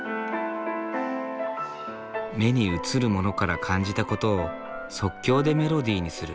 目に映るものから感じたことを即興でメロディーにする。